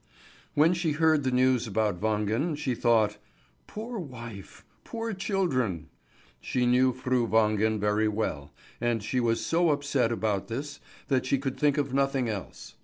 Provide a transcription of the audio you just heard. When she heard the news about Wangen she thought: "Poor wife! Poor children!" She knew Fru Wangen very well, and she was so upset about this, that she could think of nothing else.